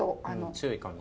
強い感じ。